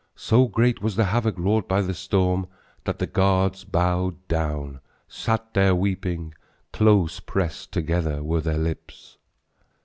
So great was the havoc wrought by the storm that The gods bowed down, sat there weeping, Close pressed together were their lips.